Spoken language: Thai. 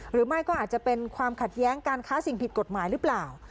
หรือไม่ก็อาจจะเป็นความขัดแย้งการค้าสิ่งผิดกฎหมายหรือเปล่า